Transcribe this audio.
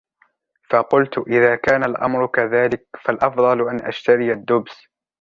فقلت إذا كان الأمر كذلك فالأفضل أن أشتري الدبس